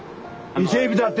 伊勢エビだて！